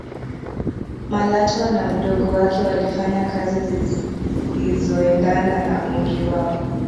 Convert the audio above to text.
malatwa na mdogo wake walifanya kazi zisizoendana na umri wao